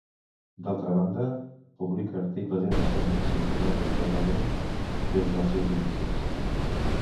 D'altra banda, publica articles i ressenyes literàries gairebé des dels seus inicis.